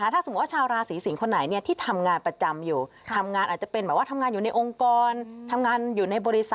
ถ้าสมมุติว่าชาวราศรีสิงฯคนไหนที่ทำงานประจำอยู่